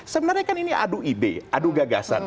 sebenarnya kan ini adu ide adu gagasan